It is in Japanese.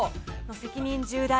責任重大。